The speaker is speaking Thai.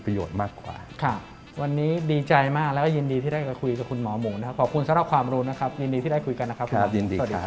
โปรดติดตามตอนต่อไป